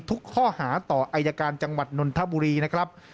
ทุกข้อหาต่ออายการจังหวัดนนทบุรีนะครับ